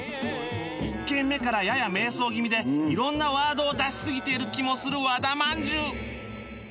１軒目からやや迷走気味で色んなワードを出しすぎている気もする和田まんじゅう